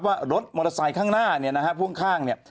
ว่ารถมอเตอร์ไซค์ข้างหน้าพวกข้าง